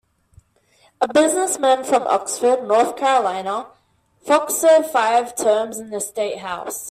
A businessman from Oxford, North Carolina, Fox served five terms in the state House.